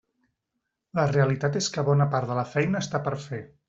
La realitat és que bona part de la feina està per fer.